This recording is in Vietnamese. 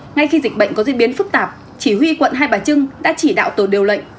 ngay khi dịch bệnh có diễn biến phức tạp chỉ huy quận hai bà trưng đã chỉ đạo tổ điều lệnh